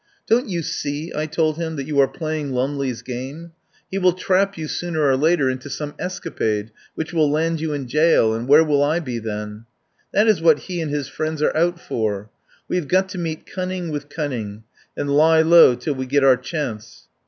"Don't you see," I told him, "that you are playing Lumley's game? He will trap you sooner or later into some escapade which will land you in jail, and where will I be then? That is what he and his friends are out for. We have got to meet cunning with cunning, and lie low till we get our chance."